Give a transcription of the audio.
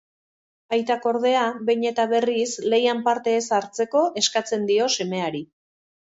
Aitak, ordea, behin eta berriz lehian parte ez hartzeko eskatzen dio semeari.